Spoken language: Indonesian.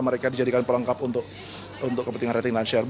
mereka dijadikan pelengkap untuk kepentingan rating dan share